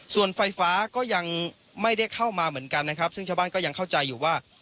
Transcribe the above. ส่วนไฟฟ้าก็ยังไม่ได้เข้ามาเหมือนกันนะครับซึ่งชาวบ้านก็ยังเข้าใจอยู่ว่า